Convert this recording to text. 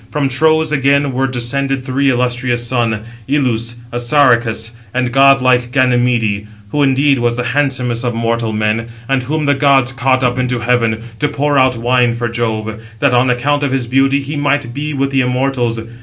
From Tros again were descended three illustrious sons, Ilus, Assaracus, and godlike Ganymede, who indeed was the handsomest of mortal men; and whom the gods caught up into heaven, to pour out wine for Jove, 654 that, on account of his beauty, he might be with the immortals.